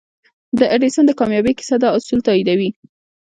د ايډېسن د کاميابۍ کيسه دا اصول تاييدوي.